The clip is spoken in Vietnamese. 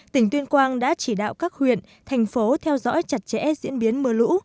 tỉnh tuyên quang đã chỉ đạo các huyện thành phố theo dõi chặt chẽ diễn biến mưa lũ